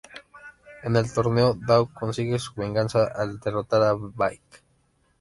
En el torneo, Law consigue su venganza al derrotar a Baek.